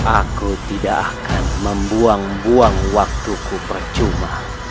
aku tidak akan membuang buang waktuku percuma